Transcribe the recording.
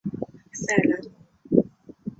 塞拉农。